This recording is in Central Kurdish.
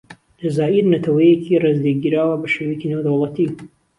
جەزائیر نەتەوەیەکی ڕێز لێگیراوە بەشێوەیەکی نێودەوڵەتی.